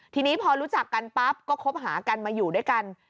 ทีนี้พอรู้จักกันปั๊บก็คบหากันมาอยู่ด้วยกัน